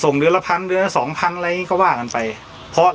เดือนละพันเดือนละสองพันอะไรก็ว่ากันไปเพราะ